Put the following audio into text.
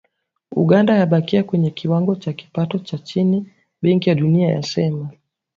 Uganda yabakia kwenye kiwango cha kipato cha chini, Benki ya Dunia yasema.